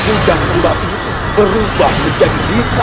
ujang udap itu berubah menjadi kita